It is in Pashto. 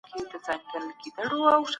آیا هغه د ټولنپوهنې مخکښ ګڼل کیږي؟